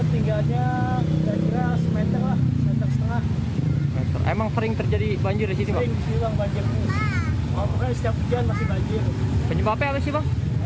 tinggalnya kita kira semenit lah setengah memang sering terjadi banjir disitu